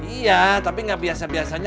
iya tapi nggak biasa biasanya